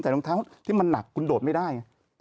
แต่รองเท้าที่มันหนักคุณโดดไม่ได้